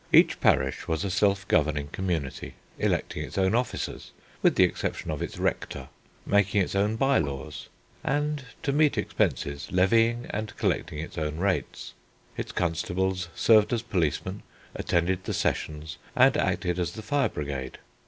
Each parish was a self governing community, electing its own officers with the exception of its rector, making its own bye laws, and, to meet expenses, levying and collecting its own rates. Its constables served as policemen, attended the Sessions, and acted as the fire brigade.